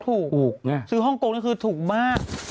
ถูกใช่ซื้อห้องโกงนี่คือถูกมาก